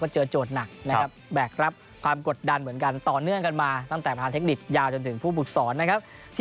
เจอโจทย์หนักนะครับแบกรับความกดดันเหมือนกันต่อเนื่องกันมาตั้งแต่ประธานเทคนิคยาวจนถึงผู้ฝึกสอนนะครับ